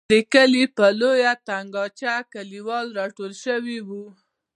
د کلي پر لویه تنګاچه کلیوال را ټول شوي وو.